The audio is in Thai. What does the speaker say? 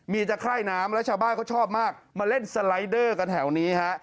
มีตะไคร่น้ำแล้วชาวบ้านเขาชอบมากมาเล่นสไลเดอร์กันแถวนี้ฮะ